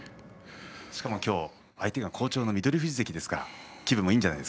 しかも今日は相手が好調の翠富士関でした。